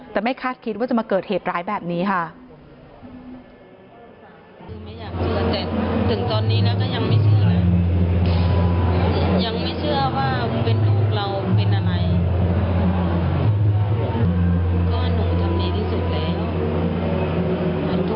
แต่ไม่คาดคิดว่าจะมาเกิดเหตุร้ายแบบนี้ค่ะ